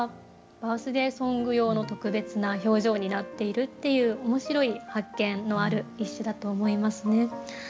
バースデー・ソング用の特別な表情になっているっていう面白い発見のある一首だと思いますね。